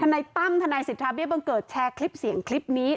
นายตั้มทนายสิทธาเบี้บังเกิดแชร์คลิปเสียงคลิปนี้